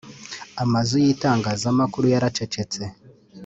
Amazu y’itangazamakuru yaracecetse